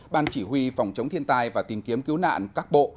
ban chỉ huy phòng chống thiên tai và tìm kiếm cứu nạn các bộ